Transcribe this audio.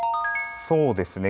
そうですね。